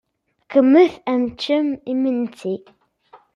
Qqimet ad teččem imensi.